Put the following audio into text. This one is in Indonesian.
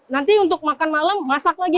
nanti untuk makan malam masak lagi